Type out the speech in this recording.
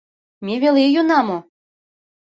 Ме веле йӱына мо?!